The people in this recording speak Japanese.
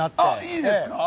いいですか？